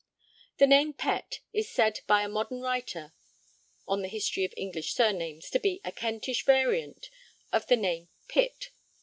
The name 'Pett' is said by a modern writer on the history of English surnames to be a Kentish variant of the name 'Pitt.'